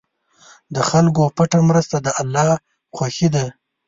د خلکو پټه مرسته د الله خوښي ده.